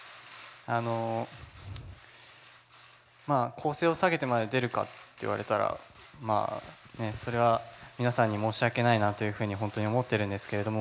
構成を下げてまで出るかって言われたらそれは皆さんに申し訳ないなというふうに本当に思ってるんですけれども。